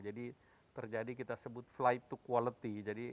jadi terjadi kita sebut fly to quality